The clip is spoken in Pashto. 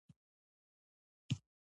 اوس هر څوک دا کلمه کاروي.